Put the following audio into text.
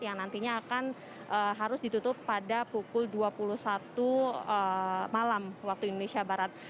yang nantinya akan harus ditutup pada pukul dua puluh satu malam waktu indonesia barat